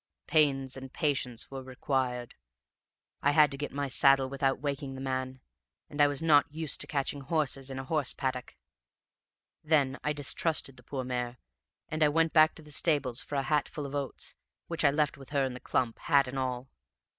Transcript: Pains and patience were required: I had to get my saddle without waking the man, and I was not used to catching horses in a horse paddock. Then I distrusted the poor mare, and I went back to the stables for a hatful of oats, which I left with her in the clump, hat and all.